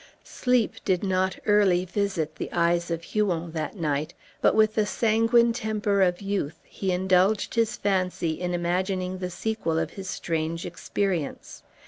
Sleep did not early visit the eyes of Huon that night; but, with the sanguine temper of youth, he indulged his fancy in imagining the sequel of his strange experience.